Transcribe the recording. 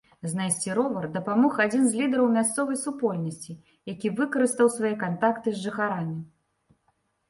Знайсці ровар дапамог адзін з лідэраў мясцовай супольнасці, які выкарыстаў свае кантакты з жыхарамі.